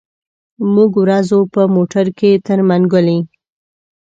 موږ ورځو په موټر کي تر منګلي.